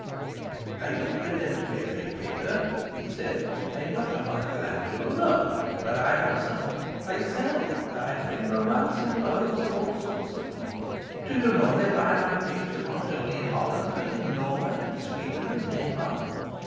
"I don't pretend to be a great painter," he said, "I'm not a Michael Angelo, no, but I have something. I sell. I bring romance into the homes of all sorts of people. Do you know, they buy my pictures not only in Holland, but in Norway and Sweden and Denmark?